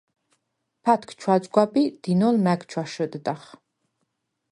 ფათქ ჩვაძგვაბ ი დინოლ მა̈გ ჩვაშჷდდახ.